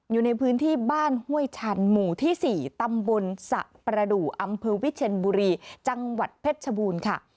อยู่ในพื้นที่บ้านห้วยชันหมู่ที่๔ตำบลสะประดูกอำเภอวิเชียนบุรีจังหวัดเพชรชบูรณ์ค่ะ